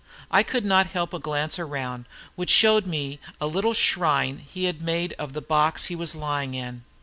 I could not help a glance round, which showed me what a little shrine he had made of the box he was lying in.